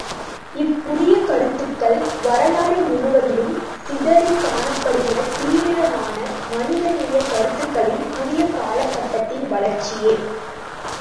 இப்புதிய கருத்துக்கள், வரலாறு முழுவதிலும் சிதறிக் காணப்படுகிற தீவிரமான, மனித நேயக் கருத்துக்களின் புதிய காலகட்டத்தின் வளர்ச்சியே.